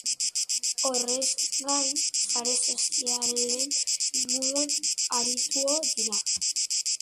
Horrez gain, sare sozialen inguruan arituo dira.